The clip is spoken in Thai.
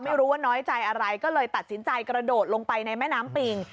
ไม่รู้ว่าน้อยใจอะไรก็เลยตัดสินใจกระโดดลงไปในแม่น้ำปิง